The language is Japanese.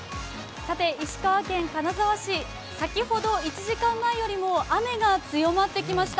石川県金沢市、１時間前よりも雨が強まってきました。